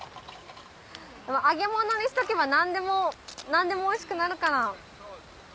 揚げ物にしとけば何でも何でもおいしくなるから。